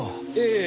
ええ。